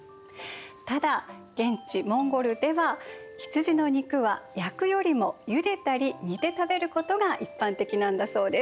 ただ現地モンゴルでは羊の肉は焼くよりもゆでたり煮て食べることが一般的なんだそうです。